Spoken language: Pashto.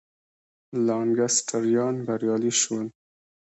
لانکسټریان بریالي شول.